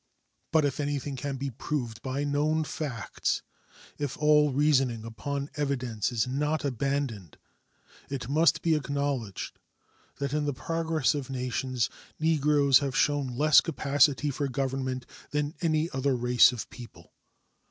But if anything can be proved by known facts, if all reasoning upon evidence is not abandoned, it must be acknowledged that in the progress of nations Negroes have shown less capacity for government than any other race of people.